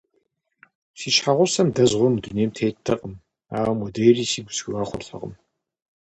Си щхьэгьусэм дэзгъуэ мы дунейм теттэкъым, ауэ модрейри сигу схуигъэхуртэкъым.